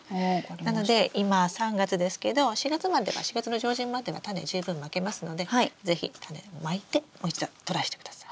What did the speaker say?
なので今３月ですけど４月までは４月の上旬まではタネ十分まけますので是非タネをまいてもう一度トライしてください。